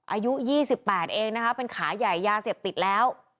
อายุ๒๘เองนะคะเป็นขาใหญ่ยาเสพติดแล้ว